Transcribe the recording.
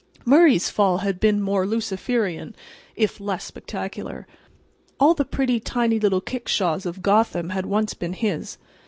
Murray's fall had been more Luciferian, if less spectacular. All the pretty, tiny little kickshaws of Gotham had once been his.